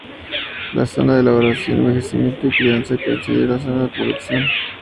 La zona de elaboración, envejecimiento y crianza coincide con la zona de producción.